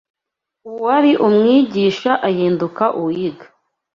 uwari umwigisha ahinduka uwiga